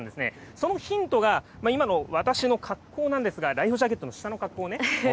そのヒントが、今の私の格好なんですが、ライフジャケットの下の格好ね。